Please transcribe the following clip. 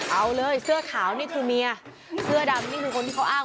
เอาเลยเสื้อขาวนี่คือเมียเสื้อดำนี่คือคนที่เขาอ้าง